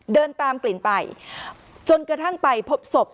เดินตามกลิ่นไปจนกระทั่งไปพบศพ